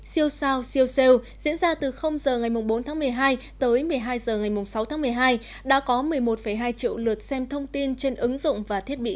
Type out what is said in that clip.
siêu sao siêu sale diễn ra từ h ngày bốn tháng một mươi hai tới một mươi hai h ngày sáu tháng một mươi hai đã có một mươi một hai triệu lượt xem thông tin trên ứng dụng và thiết bị